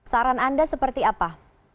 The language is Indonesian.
saran anda seperti apa